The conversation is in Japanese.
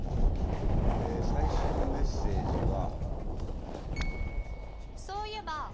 え最新のメッセージは。